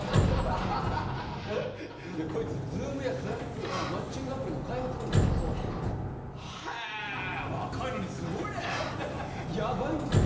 こいつＺＯＯＭやＳｌａｃｋマッチングアプリの開発にも携わってるんですよへ若いのにすごいねいえヤバいんすよ